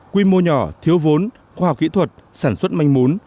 quy mô nhỏ thiếu vốn khoa học kỹ thuật sản xuất manh mún